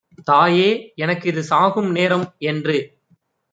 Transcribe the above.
"தாயே எனக்கிது சாகும் நேரம்"என்று